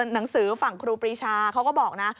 หนังสือฝั่งครูปรีชาเขาก็บอกนะ